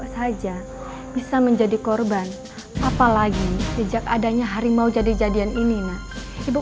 saja bisa menjadi korban apalagi sejak adanya harimau jadi jadian ini nah ibu